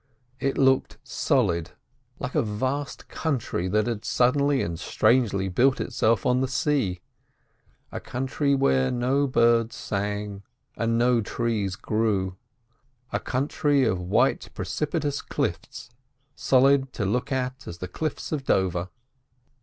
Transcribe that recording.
It looked solid, like a vast country that had suddenly and strangely built itself on the sea—a country where no birds sang and no trees grew. A country with white, precipitous cliffs, solid to look at as the cliffs of Dover.